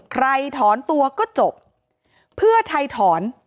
ถอนตัวก็จบเพื่อไทยถอน